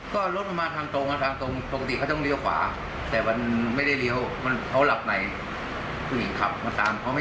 ก็รถเมื่อทางโตมาทางดุมดูตรงเร็วขวาไม่ได้เราแล้วอ่านเลยความตรงนะ